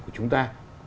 của chúng ta